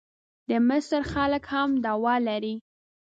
د مصر خلک هم دعوه لري.